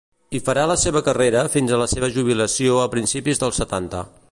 Hi farà la seva carrera fins a la seva jubilació a principis dels setanta.